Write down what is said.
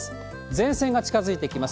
前線が近づいてきます。